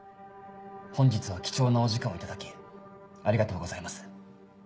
本日は貴重なお時間をいただきありがとうございます。